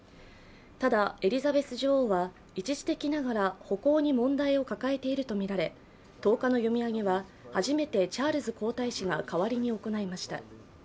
ただエリザベス女王は一時的ながら歩行に問題を抱えているとみられ１０日の読み上げは初めてチャールズ皇太子が代わりに行いました。